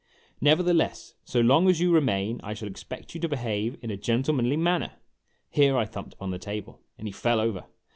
Neverthe less, so long as you remain I shall expect you to behave in a gen tlemanly manner !" Here I thumped upon the table, and he fell over.